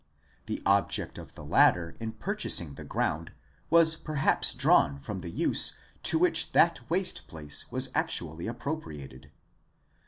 The object of the latter in purchasing the ground was perhaps drawn from the use to which that waste place was actually appropriated.